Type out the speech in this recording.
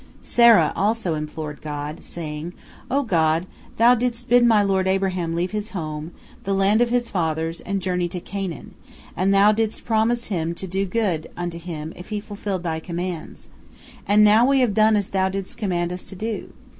" Sarah also implored God, saying: "O God, Thou didst bid my lord Abraham leave his home, the land of his fathers, and journey to Canaan, and Thou didst promise him to do good unto him if he fulfilled Thy commands. And now we have done as Thou didst command us to do.